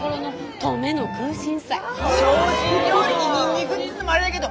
精進料理にニンニクってのもあれだげど